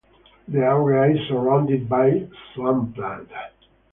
The area is surrounded by swampland.